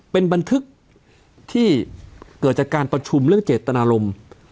เป็นบันทึกที่เกิดจากการประชุมเรื่องเจตนารมณ์